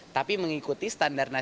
tapi mengikuti standar kelulusan